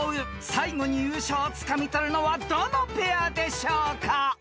［最後に優勝をつかみ取るのはどのペアでしょうか！？］